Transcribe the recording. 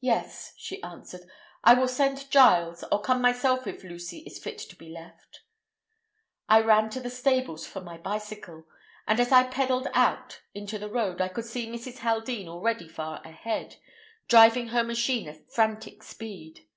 "Yes," she answered. "I will send Giles, or come myself if Lucy is fit to be left." I ran to the stables for my bicycle, and as I pedalled out into the road I could see Mrs. Haldean already far ahead, driving her machine at frantic speed.